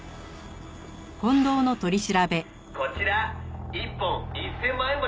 「こちら１本１０００万円もします」